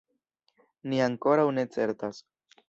Ni ankoraŭ ne certas.